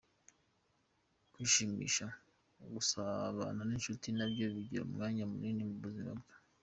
Kwishimisha , gusabana n’inshuti nabyo bigira umwanya munini mu buzima bwe .